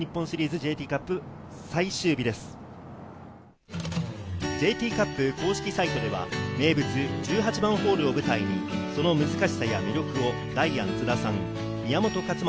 ＪＴカップ公式サイトでは名物１８番ホールを舞台に、その難しさや魅力をダイアン・津田さん、宮本勝昌